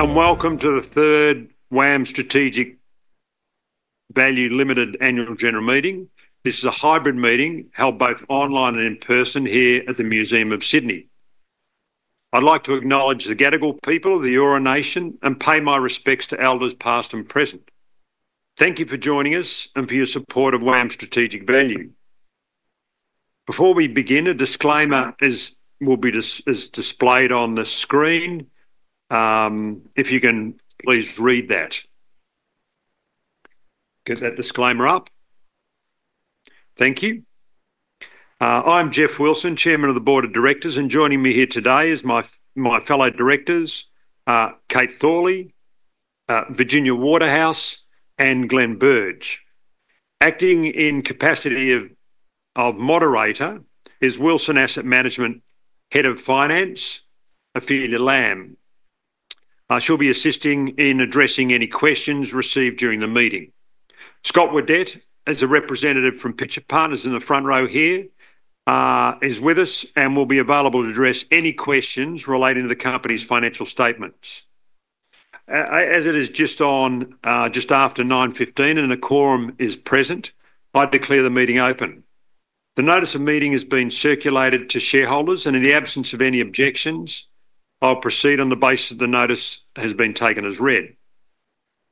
Welcome to the third WAM Strategic Value Limited Annual General Meeting. This is a hybrid meeting held both online and in person here at the Museum of Sydney. I'd like to acknowledge the Gadigal people of the Eora Nation and pay my respects to elders past and present. Thank you for joining us and for your support of WAM Strategic Value. Before we begin, a disclaimer will be displayed on the screen. If you can, please read that. Get that disclaimer up. Thank you. I'm Geoff Wilson, Chairman of the Board of Directors, and joining me here today are my fellow directors, Kate Thorley, Virginia Waterhouse, and Glenn Burge. Acting in capacity of moderator is Wilson Asset Management Head of Finance, Ophelia Lam. She'll be assisting in addressing any questions received during the meeting. Scott Whiddett, as a representative from Pitcher Partners in the front row here, is with us and will be available to address any questions relating to the company's financial statements. As it is just after 9:15 A.M. and the quorum is present, I declare the meeting open. The notice of meeting has been circulated to shareholders, and in the absence of any objections, I'll proceed on the basis that the notice has been taken as read.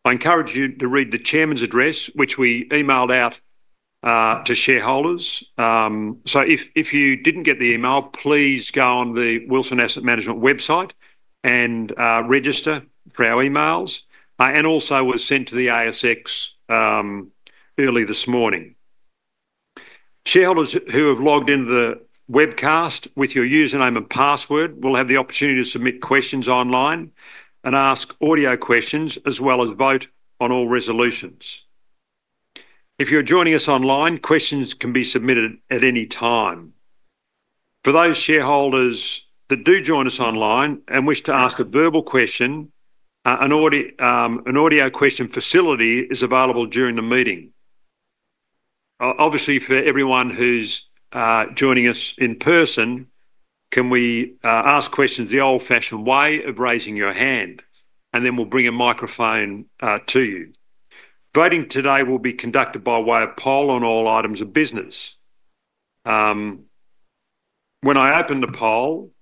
I encourage you to read the Chairman's address, which we emailed out to shareholders. So if you didn't get the email, please go on the Wilson Asset Management website and register for our emails, and also was sent to the ASX early this morning. Shareholders who have logged into the webcast with your username and password will have the opportunity to submit questions online and ask audio questions, as well as vote on all resolutions. If you're joining us online, questions can be submitted at any time. For those shareholders that do join us online and wish to ask a verbal question, an audio question facility is available during the meeting. Obviously, for everyone who's joining us in person, can we ask questions the old-fashioned way of raising your hand, and then we'll bring a microphone to you? Voting today will be conducted by way of poll on all items of business. When I open the poll,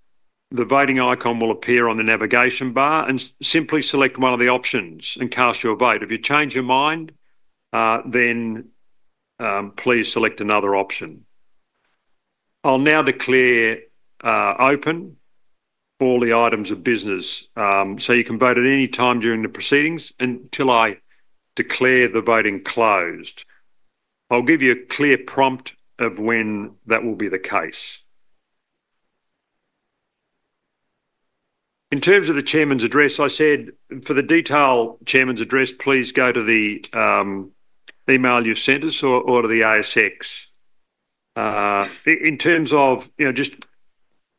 the voting icon will appear on the navigation bar, and simply select one of the options and cast your vote. If you change your mind, then please select another option. I'll now declare open all the items of business, so you can vote at any time during the proceedings until I declare the voting closed. I'll give you a clear prompt of when that will be the case. In terms of the Chairman's address, I said for the detailed Chairman's address, please go to the email you sent us or to the ASX. In terms of just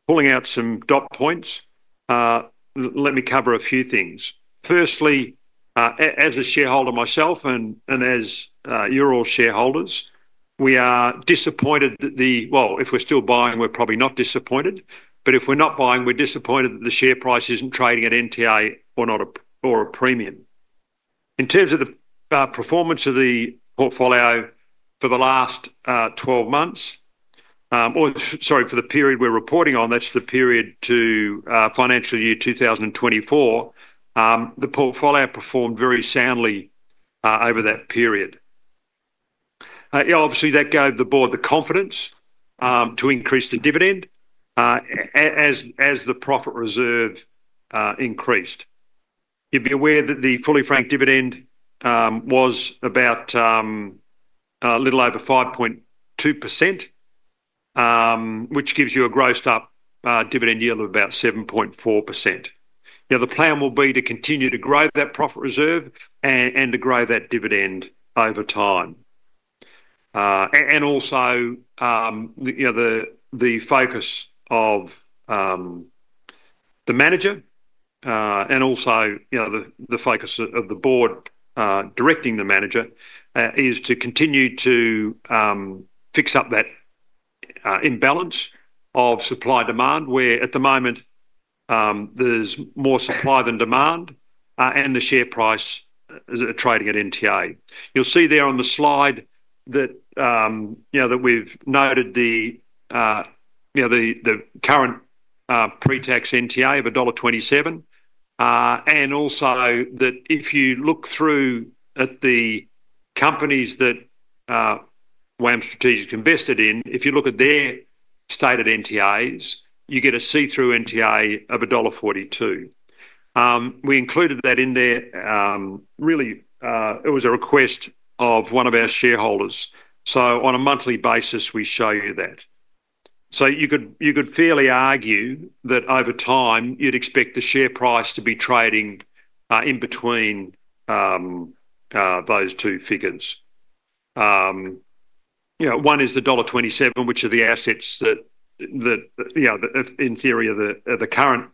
pulling out some dot points, let me cover a few things. Firstly, as a shareholder myself and as you're all shareholders, we are disappointed that the, well, if we're still buying, we're probably not disappointed. But if we're not buying, we're disappointed that the share price isn't trading at NTA or a premium. In terms of the performance of the portfolio for the last 12 months, sorry, for the period we're reporting on, that's the period to financial year 2024, the portfolio performed very soundly over that period. Obviously, that gave the board the confidence to increase the dividend as the profit reserve increased. You'd be aware that the fully franked dividend was about a little over 5.2%, which gives you a grossed-up dividend yield of about 7.4%. The plan will be to continue to grow that profit reserve and to grow that dividend over time. Also, the focus of the manager and also the focus of the board directing the manager is to continue to fix up that imbalance of supply-demand, where at the moment there's more supply than demand, and the share price is trading at NTA. You'll see there on the slide that we've noted the current pre-tax NTA of dollar 1.27, and also that if you look through at the companies that WAM Strategic invested in, if you look at their stated NTAs, you get a see-through NTA of dollar 1.42. We included that in there. Really, it was a request of one of our shareholders. So on a monthly basis, we show you that. So you could fairly argue that over time, you'd expect the share price to be trading in between those two figures. One is the dollar 1.27, which are the assets that, in theory, are the current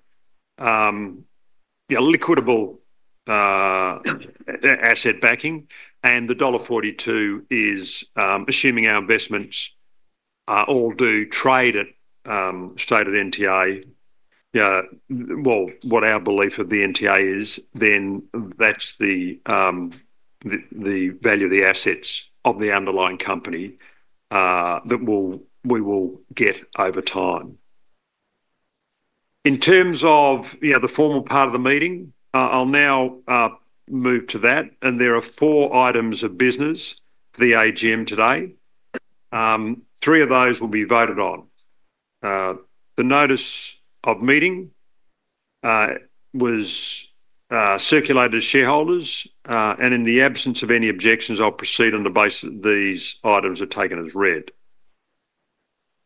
liquid asset backing, and the dollar 1.42 is assuming our investments all do trade at stated NTA, well, what our belief of the NTA is, then that's the value of the assets of the underlying company that we will get over time. In terms of the formal part of the meeting, I'll now move to that, and there are four items of business for the AGM today. Three of those will be voted on. The notice of meeting was circulated to shareholders, and in the absence of any objections, I'll proceed on the basis that these items are taken as read.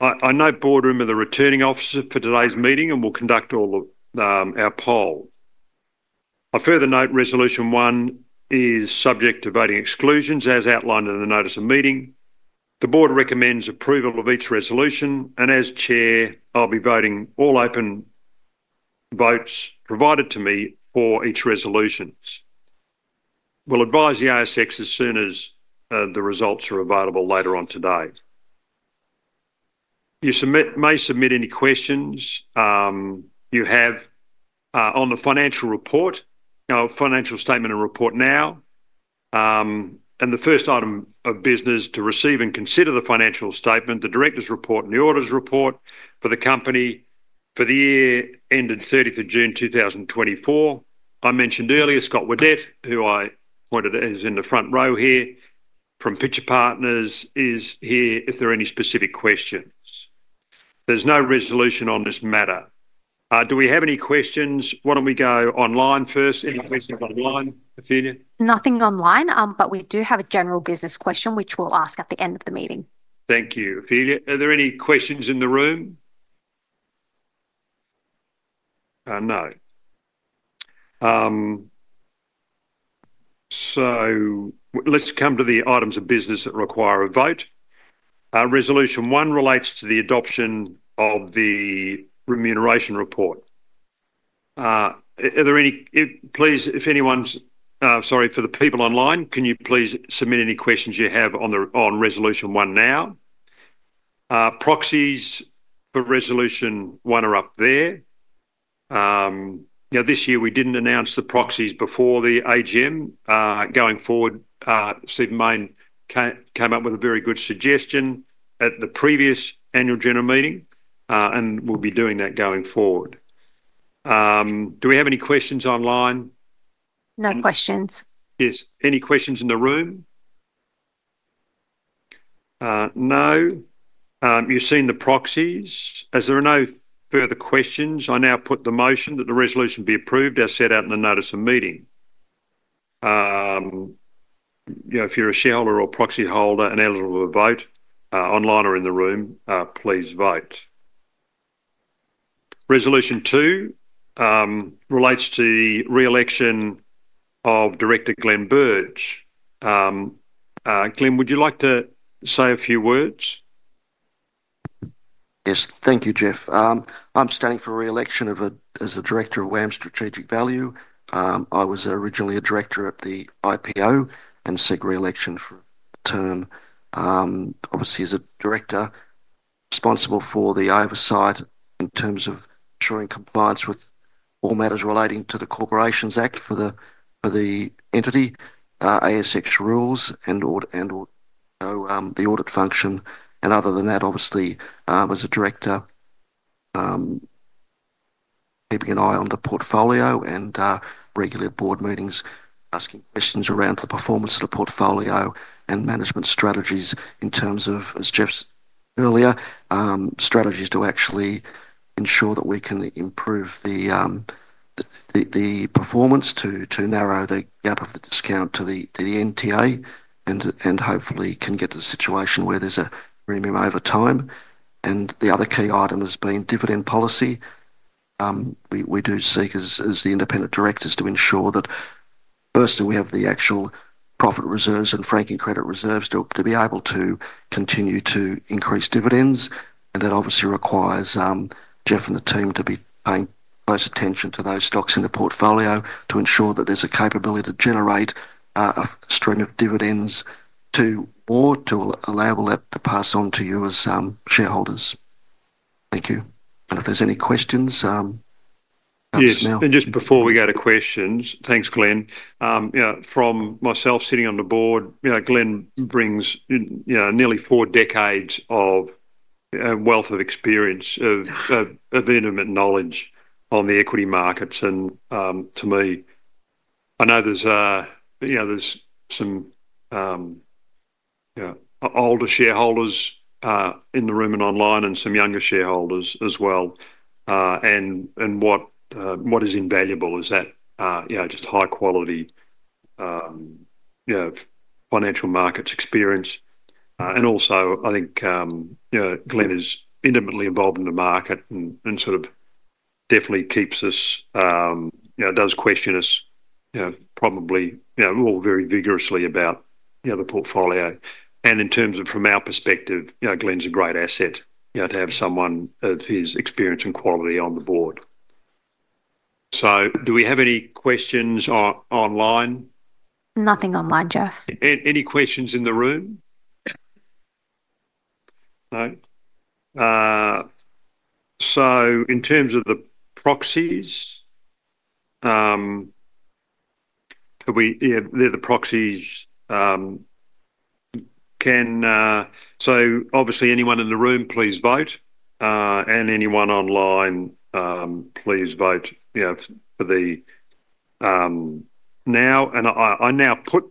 I note Boardroom are the returning officer for today's meeting and will conduct all of our poll. I further note Resolution 1 is subject to voting exclusions, as outlined in the notice of meeting. The board recommends approval of each resolution, and as chair, I'll be voting all open votes provided to me for each resolution. We'll advise the ASX as soon as the results are available later on today. You may submit any questions you have on the financial report, our financial statement and report now, and the first item of business to receive and consider the financial statement, the director's report and the auditor's report for the company for the year ended 30th of June 2024. I mentioned earlier Scott Whiddett, who I pointed out is in the front row here from Pitcher Partners, is here if there are any specific questions. There's no resolution on this matter. Do we have any questions? Why don't we go online first? Any questions online, Ophelia? Nothing online, but we do have a general business question, which we'll ask at the end of the meeting. Thank you, Ophelia. Are there any questions in the room? No. So let's come to the items of business that require a vote. Resolution 1 relates to the adoption of the remuneration report. Are there any, sorry, for the people online, can you please submit any questions you have on Resolution 1 now? Proxies for Resolution 1 are up there. This year, we didn't announce the proxies before the AGM. Going forward, Stephen Mayne came up with a very good suggestion at the previous annual general meeting, and we'll be doing that going forward. Do we have any questions online? No questions. Yes. Any questions in the room? No. You've seen the proxies. As there are no further questions, I now put the motion that the resolution be approved as set out in the notice of meeting. If you're a shareholder or proxy holder, enabled to vote online or in the room, please vote. Resolution 2 relates to the re-election of Director Glenn Burge. Glenn, would you like to say a few words? Yes. Thank you, Geoff. I'm standing for re-election as a director of WAM Strategic Value. I was originally a director at the IPO and seek re-election for a term. Obviously, as a director, I'm responsible for the oversight in terms of ensuring compliance with all matters relating to the Corporations Act for the entity, ASX rules, and the audit function and other than that, obviously, as a director, keeping an eye on the portfolio and regular board meetings, asking questions around the performance of the portfolio and management strategies in terms of, as Geoff said earlier, strategies to actually ensure that we can improve the performance to narrow the gap of the discount to the NTA and hopefully can get to the situation where there's a premium over time and the other key item has been dividend policy. We do seek as the independent directors to ensure that, firstly, we have the actual profit reserves and franking credit reserves to be able to continue to increase dividends, and that obviously requires Geoff and the team to be paying close attention to those stocks in the portfolio to ensure that there's a capability to generate a stream of dividends to or to allow that to pass on to you as shareholders. Thank you, and if there's any questions, perhaps now. Yes. And just before we go to questions, thanks, Glenn. From myself sitting on the board, Glenn brings nearly four decades of wealth of experience, of intimate knowledge on the equity markets. And to me, I know there's some older shareholders in the room and online and some younger shareholders as well. And what is invaluable is that just high-quality financial markets experience. And also, I think Glenn is intimately involved in the market and sort of definitely keeps us, does question us probably all very vigorously about the portfolio. And in terms of from our perspective, Glenn's a great asset to have someone of his experience and quality on the board. So do we have any questions online? Nothing online, Geoff. Any questions in the room? No? So in terms of the proxies, the proxies can, so obviously, anyone in the room, please vote. And anyone online, please vote now. And I now put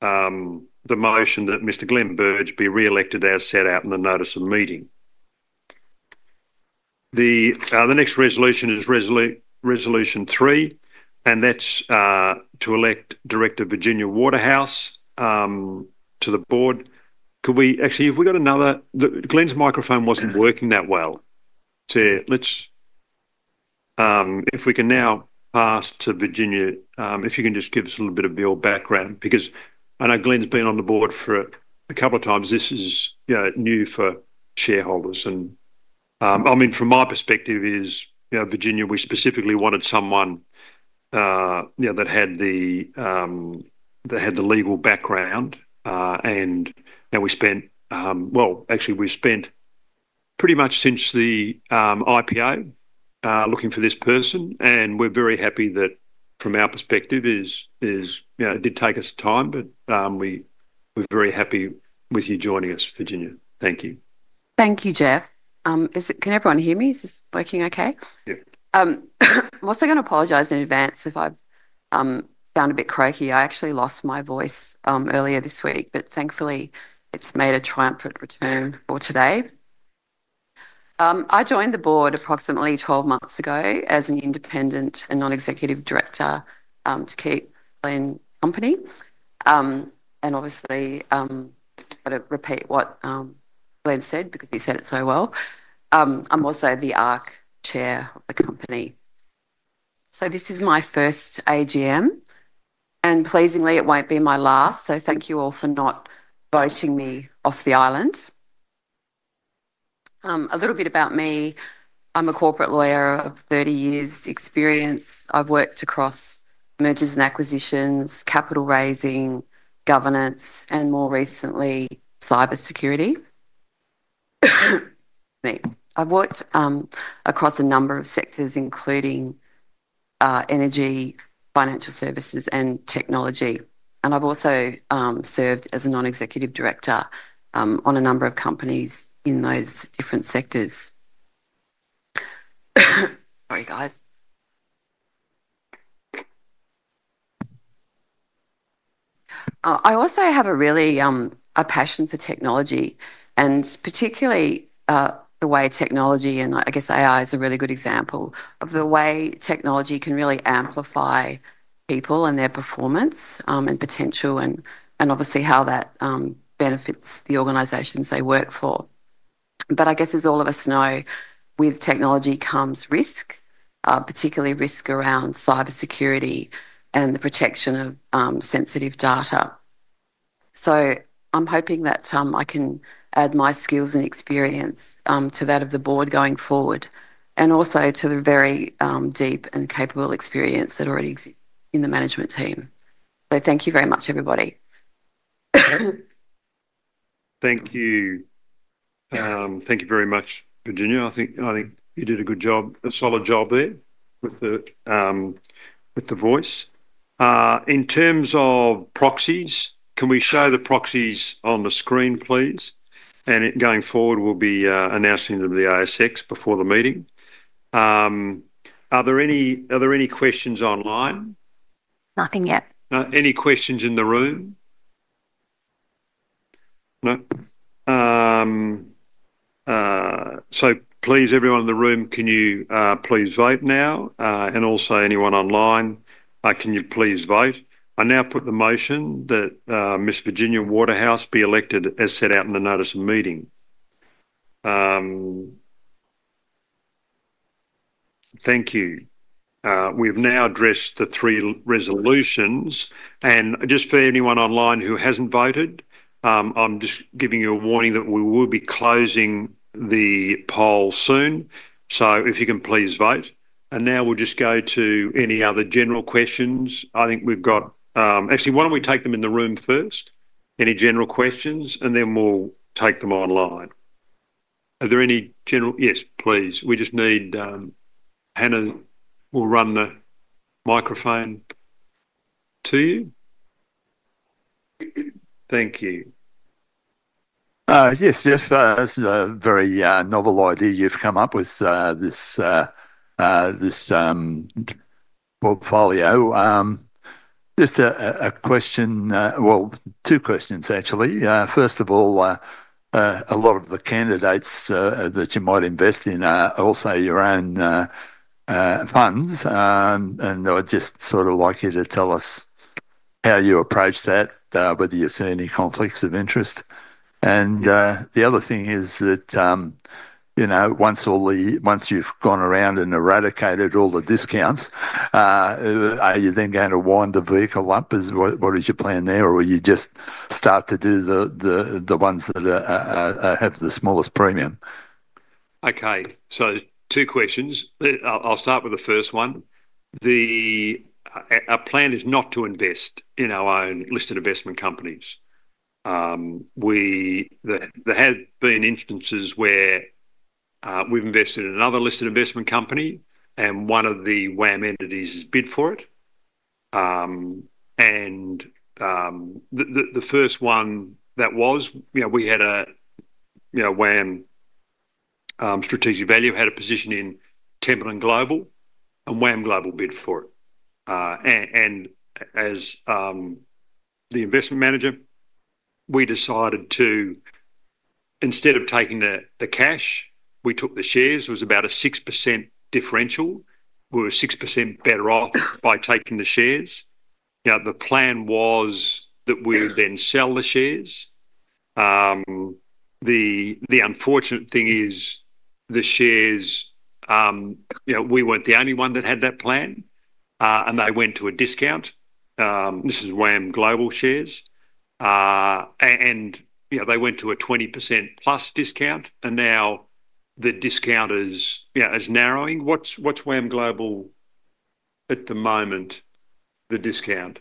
the motion that Mr. Glenn Burge be re-elected as set out in the notice of meeting. The next resolution is Resolution 3, and that's to elect Director Virginia Waterhouse to the board. Actually, have we got another. Glenn's microphone wasn't working that well. So if we can now pass to Virginia, if you can just give us a little bit of your background, because I know Glenn's been on the board for a couple of times. This is new for shareholders. And I mean, from my perspective, Virginia, we specifically wanted someone that had the legal background. And we spent. Well, actually, we spent pretty much since the IPO looking for this person. We're very happy that from our perspective, it did take us time, but we're very happy with you joining us, Virginia. Thank you. Thank you, Geoff. Can everyone hear me? Is this working okay? Yeah. I'm also going to apologize in advance if I've sounded a bit cranky. I actually lost my voice earlier this week, but thankfully, it's made a triumphant return for today. I joined the board approximately 12 months ago as an independent and non-executive director to keep Glenn company. And obviously, I've got to repeat what Glenn said because he said it so well. I'm also the ARC chair of the company. So this is my first AGM. And pleasingly, it won't be my last. So thank you all for not voting me off the island. A little bit about me: I'm a corporate lawyer of 30 years' experience. I've worked across mergers and acquisitions, capital raising, governance, and more recently, cybersecurity. I've worked across a number of sectors, including energy, financial services, and technology. I've also served as a non-executive director on a number of companies in those different sectors. Sorry, guys. I also have a really, a passion for technology, and particularly the way technology, and I guess AI is a really good example, of the way technology can really amplify people and their performance and potential, and obviously how that benefits the organizations they work for. But I guess, as all of us know, with technology comes risk, particularly risk around cybersecurity and the protection of sensitive data. So I'm hoping that I can add my skills and experience to that of the board going forward, and also to the very deep and capable experience that already exists in the management team. So thank you very much, everybody. Thank you. Thank you very much, Virginia. I think you did a good job, a solid job there with the voice. In terms of proxies, can we show the proxies on the screen, please? And going forward, we'll be announcing them to the ASX before the meeting. Are there any questions online? Nothing yet. Any questions in the room? No? So please, everyone in the room, can you please vote now? And also, anyone online, can you please vote? I now put the motion that Miss Virginia Waterhouse be elected as set out in the notice of meeting. Thank you. We've now addressed the three resolutions. And just for anyone online who hasn't voted, I'm just giving you a warning that we will be closing the poll soon. So if you can please vote. And now we'll just go to any other general questions. I think we've got, actually, why don't we take them in the room first? Any general questions, and then we'll take them online. Are there any general, yes, please. We just need, Hannah will run the microphone to you. Thank you. Yes, Geoff. This is a very novel idea you've come up with, this portfolio. Just a question, well, two questions, actually. First of all, a lot of the candidates that you might invest in are also your own funds. And I'd just sort of like you to tell us how you approach that, whether you see any conflicts of interest. And the other thing is that once you've gone around and eradicated all the discounts, are you then going to wind the vehicle up? What is your plan there? Or will you just start to do the ones that have the smallest premium? Okay, so two questions. I'll start with the first one. Our plan is not to invest in our own listed investment companies. There have been instances where we've invested in another listed investment company, and one of the WAM entities has bid for it. And the first one was, WAM Strategic Value had a position in Templeton Global, and WAM Global bid for it. And as the investment manager, we decided to, instead of taking the cash, we took the shares. It was about a 6% differential. We were 6% better off by taking the shares. The plan was that we would then sell the shares. The unfortunate thing is the shares, we weren't the only ones that had that plan. And they went to a discount. This is WAM Global shares. And they went to a 20%+ discount. And now the discount is narrowing. What's WAM Global at the moment, the discount?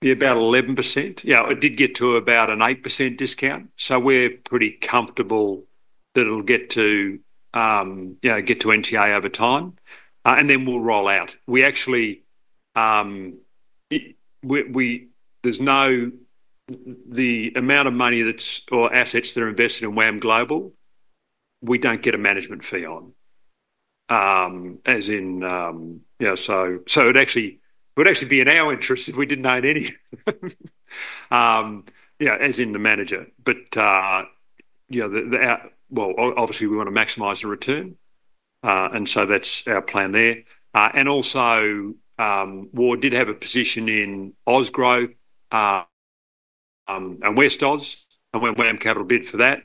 Be about 11%. Yeah, it did get to about an 8% discount. So we're pretty comfortable that it'll get to NTA over time. And then we'll roll out. There's no, the amount of money or assets that are invested in WAM Global, we don't get a management fee on. As in, so it would actually be in our interest if we didn't own any, as in the manager. But, well, obviously, we want to maximize the return. And so that's our plan there. And also, we did have a position in Ozgrowth and Westoz and went WAM Capital bid for that.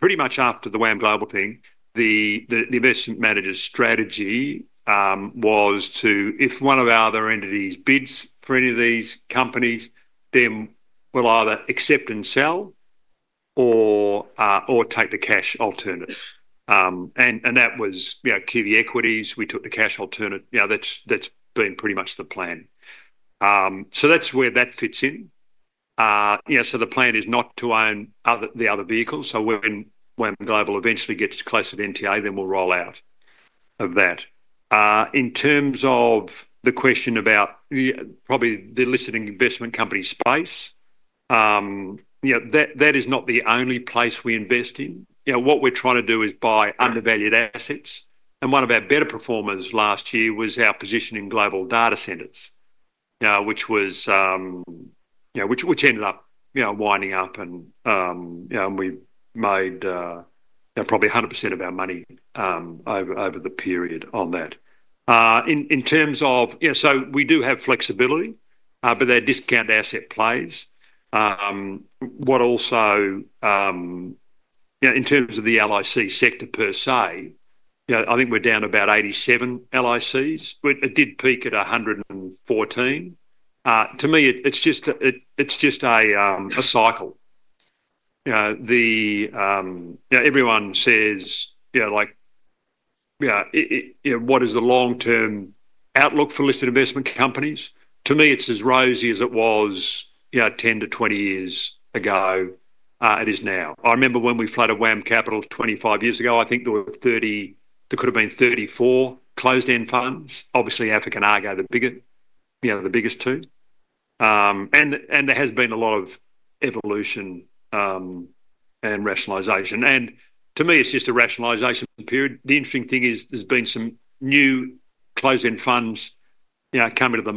Pretty much after the WAM Global thing, the investment manager's strategy was to, if one of our other entities bids for any of these companies, then we'll either accept and sell or take the cash alternative. And that was QV Equities. We took the cash alternative. That's been pretty much the plan. So that's where that fits in. So the plan is not to own the other vehicles. So when WAM Global eventually gets closer to NTA, then we'll roll out of that. In terms of the question about probably the listed investment company space, that is not the only place we invest in. What we're trying to do is buy undervalued assets. And one of our better performers last year was our position in Global Data Centres, which ended up winding up, and we made probably 100% of our money over the period on that. In terms of, yeah, so we do have flexibility, but there are discount asset plays. What also, in terms of the LIC sector per se, I think we're down about 87 LICs. It did peak at 114. To me, it's just a cycle. Everyone says, "What is the long-term outlook for listed investment companies?" To me, it's as rosy as it was 10-20 years ago it is now. I remember when we floated WAM Capital 25 years ago, I think there could have been 34 closed-end funds, obviously AFIC and Argo the biggest two, and there has been a lot of evolution and rationalization. To me, it's just a rationalization period. The interesting thing is there's been some new closed-end funds coming to the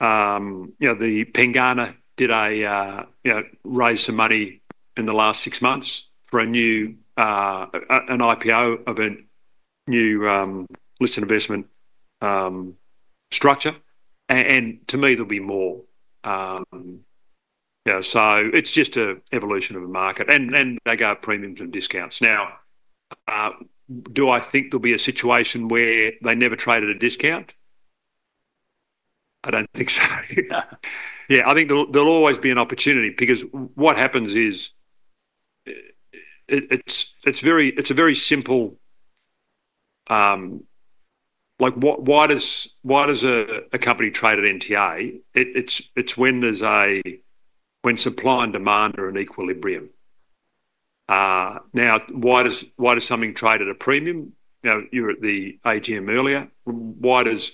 market. The Pengana did a raise some money in the last six months for an IPO of a new listed investment structure, and to me, there'll be more, so it's just an evolution of the market, and they go up premiums and discounts. Now, do I think there'll be a situation where they never traded a discount? I don't think so. Yeah, I think there'll always be an opportunity because what happens is it's a very simple, why does a company trade at NTA? It's when supply and demand are in equilibrium. Now, why does something trade at a premium? You were at the AGM earlier. Why does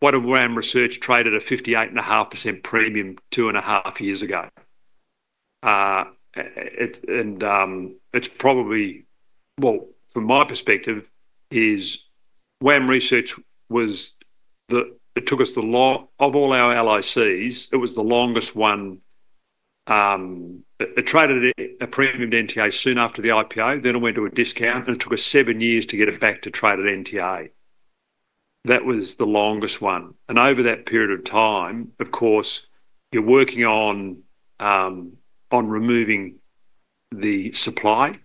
WAM Research trade at a 58.5% premium 2.5 years ago? And it's probably, well, from my perspective, is WAM Research took us the of all our LICs, it was the longest one. It traded at a premium at NTA soon after the IPO. Then it went to a discount, and it took us seven years to get it back to trade at NTA. That was the longest one. Over that period of time, of course, you're working on removing the supply,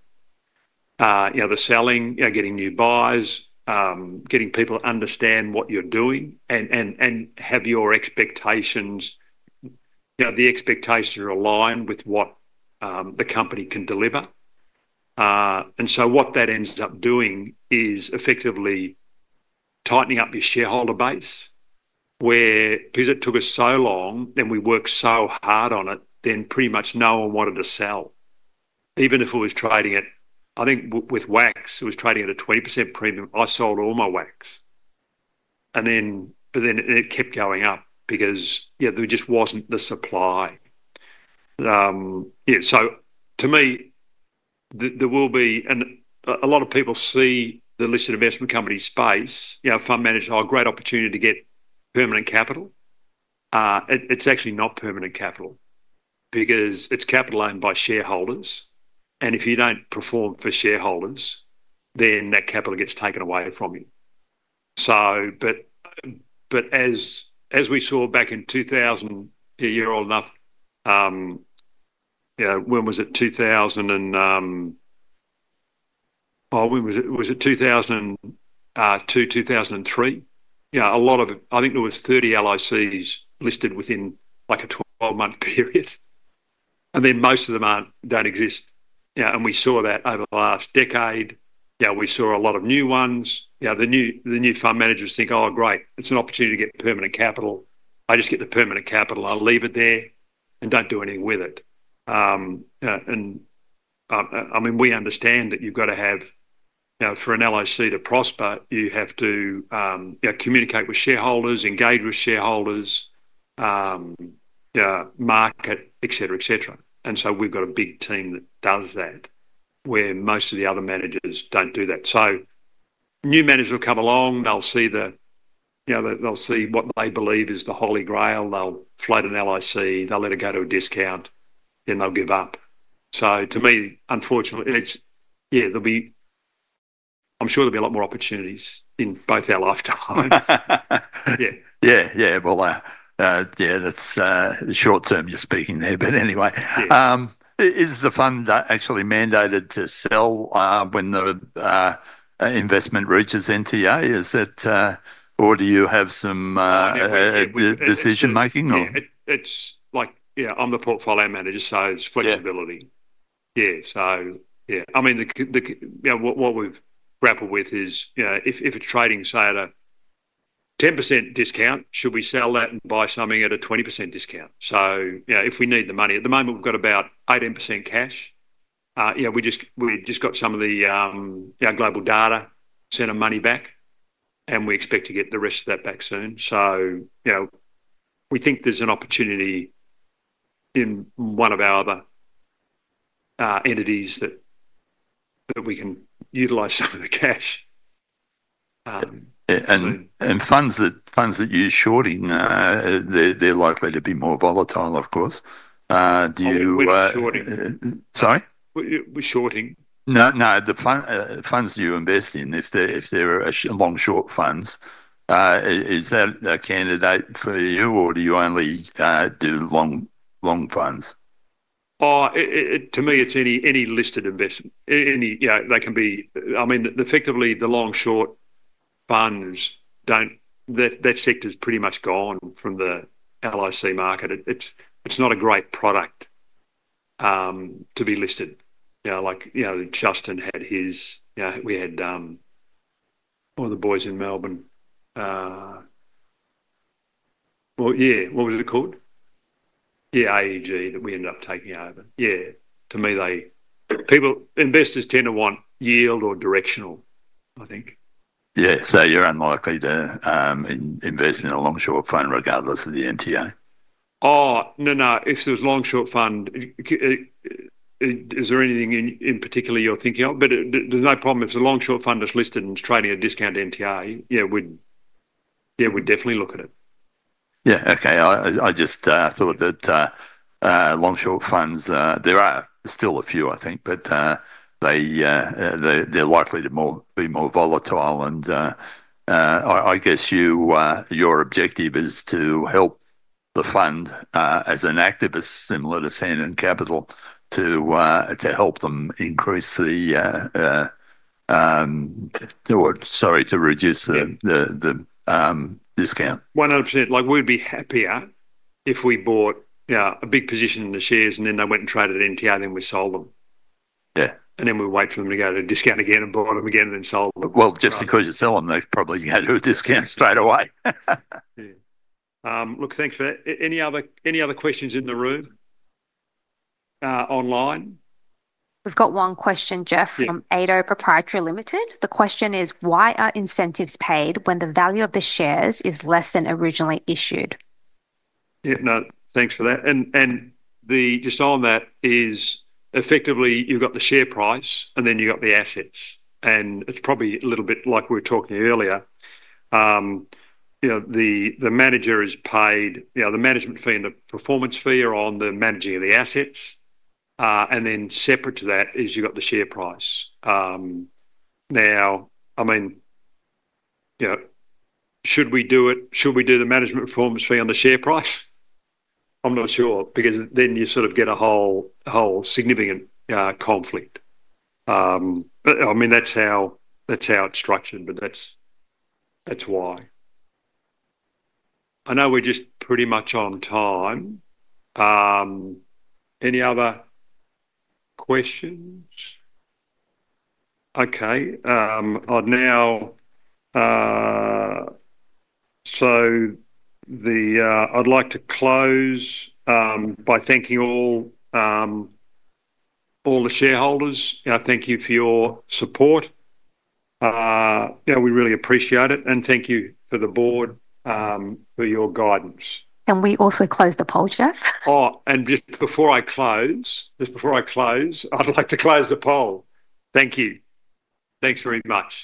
the selling, getting new buyers, getting people to understand what you're doing, and have your expectations - the expectations are aligned with what the company can deliver. And so what that ends up doing is effectively tightening up your shareholder base because it took us so long, and we worked so hard on it, then pretty much no one wanted to sell. Even if it was trading at - I think with WAX, it was trading at a 20% premium. I sold all my WAX. But then it kept going up because there just wasn't the supply. So to me, there will be - and a lot of people see the listed investment company space, fund management, a great opportunity to get permanent capital. It's actually not permanent capital because it's capital owned by shareholders. If you don't perform for shareholders, then that capital gets taken away from you. But as we saw back in 2000, you're old enough, when was it? 2000 and, oh, when was it? Was it 2002, 2003? Yeah, a lot of. I think there were 30 LICs listed within a 12-month period. And then most of them don't exist. And we saw that over the last decade. We saw a lot of new ones. The new fund managers think, "Oh, great. It's an opportunity to get permanent capital. I just get the permanent capital. I'll leave it there and don't do anything with it." And I mean, we understand that you've got to have, for an LIC to prosper, you have to communicate with shareholders, engage with shareholders, market, etc., etc. And so we've got a big team that does that, where most of the other managers don't do that. So new managers will come along. They'll see what they believe is the holy grail. They'll float an LIC. They'll let it go to a discount, then they'll give up. So to me, unfortunately, yeah, I'm sure there'll be a lot more opportunities in both our lifetimes. Yeah. Well, yeah, that's short-term you're speaking there. But anyway, is the fund actually mandated to sell when the investment reaches NTA? Or do you have some decision-making? It's like, yeah, I'm the portfolio manager, so it's flexibility. Yeah. So yeah. I mean, what we've grappled with is if it's trading, say, at a 10% discount, should we sell that and buy something at a 20% discount? So if we need the money - at the moment, we've got about 18% cash. We just got some of the global data centers money back, and we expect to get the rest of that back soon. So we think there's an opportunity in one of our other entities that we can utilize some of the cash. And funds that you're shorting, they're likely to be more volatile, of course. Do you? We're shorting. Sorry? We're shorting. No. No. The funds you invest in, if they're long-short funds, is that a candidate for you, or do you only do long funds? To me, it's any listed investment. They can be. I mean, effectively, the long-short funds, that sector's pretty much gone from the LIC market. It's not a great product to be listed. Like Justin had his. We had one of the boys in Melbourne. Well, yeah, what was it called? Yeah, AEG that we ended up taking over. Yeah. To me, investors tend to want yield or directional, I think. Yeah. So you're unlikely to invest in a long-short fund regardless of the NTA? Oh, no, no. If there's a long-short fund, is there anything in particular you're thinking of? But there's no problem. If it's a long-short fund that's listed and it's trading at discount NTA, yeah, we'd definitely look at it. Yeah. Okay. I just thought that long-short funds, there are still a few, I think, but they're likely to be more volatile. And I guess your objective is to help the fund as an activist, similar to Sandon Capital, to help them increase the, sorry, to reduce the discount. 100%. We'd be happier if we bought a big position in the shares, and then they went and traded at NTA, then we sold them, and then we wait for them to go to a discount again and bought them again and then sold them. Well, just because you sell them, they're probably going to do a discount straight away. Yeah. Look, thanks for that. Any other questions in the room online? We've got one question, Geoff, from Ador Properties Limited. The question is, why are incentives paid when the value of the shares is less than originally issued? Yeah. No. Thanks for that. And just on that is, effectively, you've got the share price, and then you've got the assets. And it's probably a little bit like we were talking earlier. The manager is paid the management fee and the performance fee are on the managing of the assets. And then separate to that is you've got the share price. Now, I mean, should we do it? Should we do the management performance fee on the share price? I'm not sure because then you sort of get a whole significant conflict. I mean, that's how it's structured, but that's why. I know we're just pretty much on time. Any other questions? Okay. So I'd like to close by thanking all the shareholders. Thank you for your support. We really appreciate it. And thank you for the board for your guidance. We also closed the poll, Geoff. Oh, and just before I close, I'd like to close the poll. Thank you. Thanks very much.